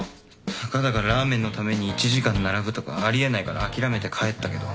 たかだかラーメンのために１時間並ぶとかあり得ないから諦めて帰ったけど。